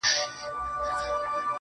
خاوري دي ژوند سه، دا دی ارمان دی~